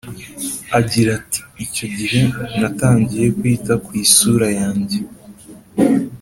Agira ati icyo gihe natangiye kwita ku isura yanjye